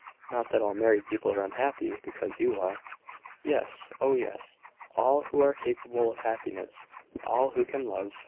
"Not that all married people are unhappy because you are." "Yes, oh, yes! all who are capable of happiness: all who can love.